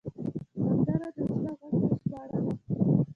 سندره د زړه غږ ته ژباړه ده